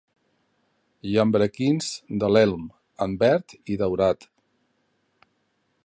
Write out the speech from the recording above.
Llambrequins de l'elm en verd i daurat.